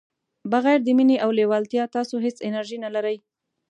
بغير د مینې او لیوالتیا تاسو هیڅ انرژي نه لرئ.